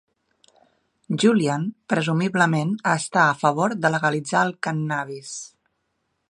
Julian presumiblement està a favor de legalitzar el cànnabis.